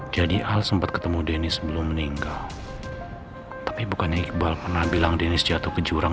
jadi al sempat ketemu deni sebelum meninggal tapi bukannya iqbal pernah bilang deni jatuh ke jurang